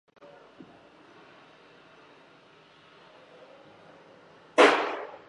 তিনি সাত বছর বয়সে জী সারগেমপায় অংশ নেন।